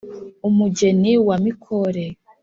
umugeni wa mikore